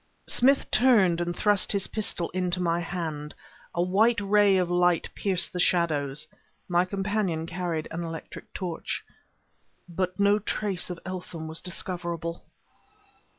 Smith turned and thrust his pistol into my hand. A white ray of light pierced the shadows; my companion carried an electric torch. But no trace of Eltham was discoverable.